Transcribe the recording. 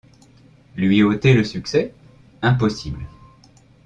Lui ôter le succès? impossible.